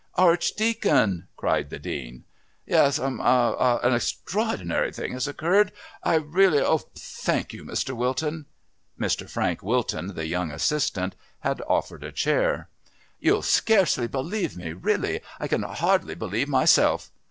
"Archdeacon!" cried the Dean. "Yes om ah an extraordinary thing has occurred I really oh, thank you, Mr. Wilton...." Mr. Frank Wilton, the young assistant, had offered a chair. "You'll scarcely believe me really, I can hardly believe myself."